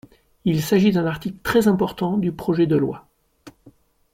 Il s’agit d’un article très important du projet de loi.